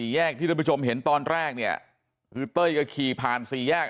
แยกที่ท่านผู้ชมเห็นตอนแรกเนี่ยคือเต้ยก็ขี่ผ่านสี่แยก